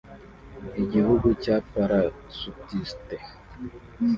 Igihugu cya parasutiste